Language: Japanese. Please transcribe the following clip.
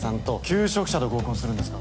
求職者と合コンするんですか？